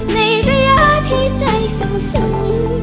ในระยะที่ใจสูง